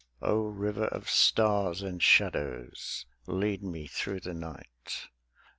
O river of stars and shadows, lead me through the night.